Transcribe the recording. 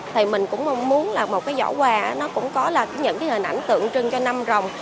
thì mình cũng muốn là một cái giỏ quà nó cũng có là những cái hình ảnh tượng trưng cho năm rồng